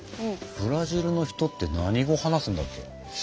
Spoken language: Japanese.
ブラジルの人って何語話すんだっけ？